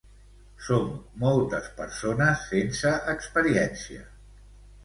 Som moltes persones sense experiència.